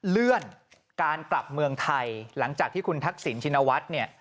เลื่อนการกลับเมืองไทยหลังจากที่คุณทักษิณชินวัฒน์เนี่ย